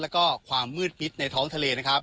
และก็ความมืดมิดในท้องทะเล